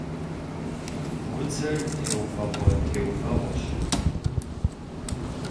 Гудзэр теувэгъуэ-теувэгъуэщ.